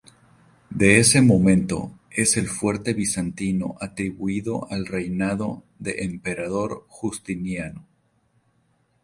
De ese momento es el fuerte bizantino atribuido al reinado de emperador Justiniano.